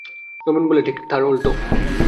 নবীন বললে, ঠিক তার উলটো।